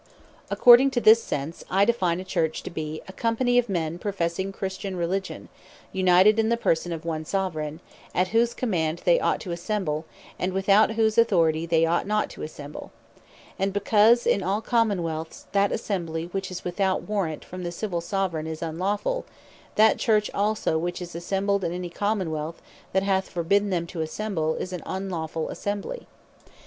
According to this sense, I define a CHURCH to be, "A company of men professing Christian Religion, united in the person of one Soveraign; at whose command they ought to assemble, and without whose authority they ought not to assemble." And because in all Common wealths, that Assembly, which is without warrant from the Civil Soveraign, is unlawful; that Church also, which is assembled in any Common wealth, that hath forbidden them to assemble, is an unlawfull Assembly.